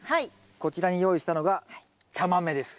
こちらに用意したのが茶豆です。